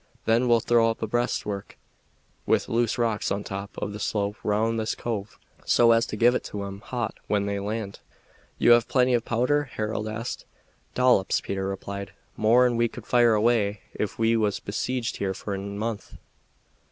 Then we'll throw up a breastwork with loose rocks on the top of the slope round this cove, so as to give it to 'em hot when they land." "You have plenty of powder?" Harold asked. "Dollops," Peter replied; "more'n we could fire away if we was besieged here for a month."